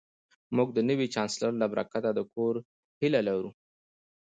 موږ د نوي چانسلر له برکته د کور هیله لرو